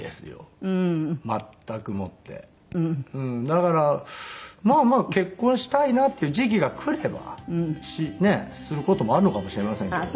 だからまあまあ結婚したいなっていう時期が来ればねえする事もあるのかもしれませんけど。